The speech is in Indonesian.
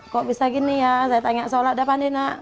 kok bisa gini ya saya tanya sholat deh pandi nak